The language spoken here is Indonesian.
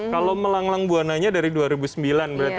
kalau melanglang buananya dari dua ribu sembilan berarti